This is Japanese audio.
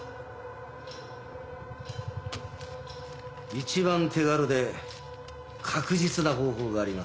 一番手軽で確実な方法があります。